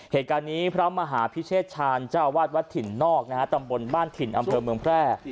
เหตุการณ์นี้พระมหาพิเชษชาญเจ้าวาดวัดถิ่นนอกนะฮะตำบลบ้านถิ่นอำเภอเมืองแพร่